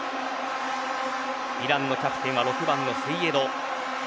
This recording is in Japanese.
イランのキャプテンは６番のセイエド。